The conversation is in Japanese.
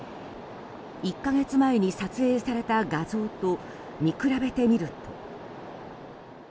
１か月前に撮影された画像と見比べてみると。